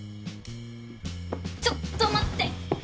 ちょっと待って！